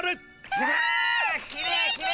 うわ！